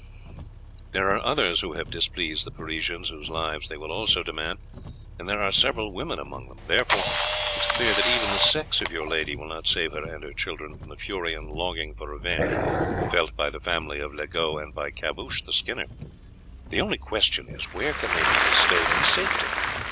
"There are others who have displeased the Parisians whose lives they will also demand, and there are several women among them; therefore, it is clear that even the sex of your lady will not save her and her children from the fury and longing for revenge, felt by the family of Legoix and by Caboche the skinner. The only question is, where can they be bestowed in safety?